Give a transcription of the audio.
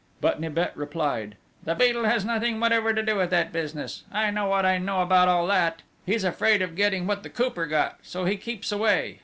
But Nibet replied: "The Beadle has nothing whatever to do with that business.... I know what I know about all that.... He's afraid of getting what the Cooper got, so he keeps away.